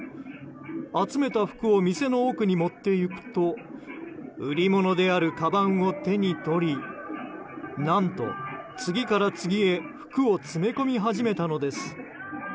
集めた服を店の奥に持っていくと売り物であるかばんを手に取り何と、次から次へ服を詰め込み始めたのです。